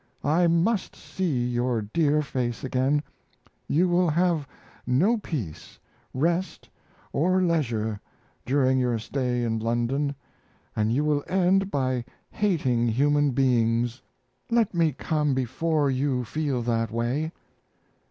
I must see your dear face again.... You will have no peace, rest, or leisure during your stay in London, and you will end by hating human beings. Let me come before you feel that way.